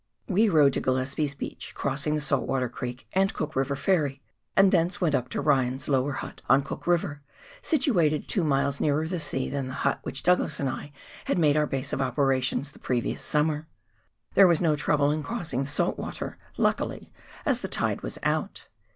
We rode to Gillespies' beach, crossing the Saltwater Creek and Cook River Ferry, and thence went up to Ryan's lower hut on Cook River, situated two miles nearer the sea than the hut which Douglas and I had made our base of operations the previous summer. There was no trouble in crossing the Saltwater, luckily, as the tide was out.